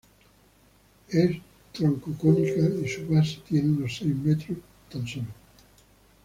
Es troncocónica y su base tiene unos seis metros tan sólo.